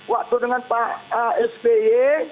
waktu dengan pak sby